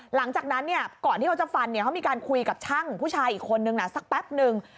หลังจากนั้นก่อนที่เขาจะฟันเขามีการคุยกับช่างผู้ชายอีกคนนึงสักแป๊บนึง